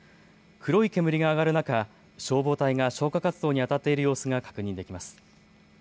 黒い煙が上がる中、消防隊が消火活動にあたっている様子が確認できます。